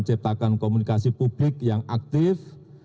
menciptakan komunikasi publik yang aktif